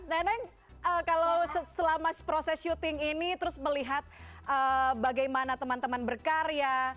neneng kalau selama proses syuting ini terus melihat bagaimana teman teman berkarya